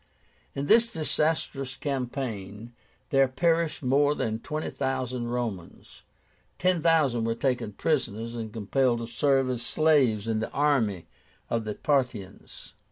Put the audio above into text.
In this disastrous campaign there perished more than twenty thousand Romans. Ten thousand were taken prisoners and compelled to serve as slaves in the army of the Parthians.